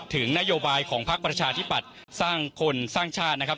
ถึงนโยบายของพักประชาธิปัตย์สร้างคนสร้างชาตินะครับ